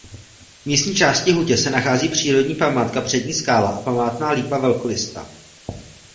V místní části Hutě se nachází přírodní památka Přední skála a památná lípa velkolistá.